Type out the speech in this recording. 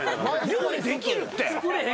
料理できるって！